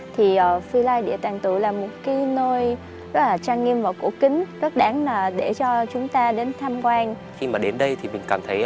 thì du lịch tâm linh cũng là một trong những lựa chọn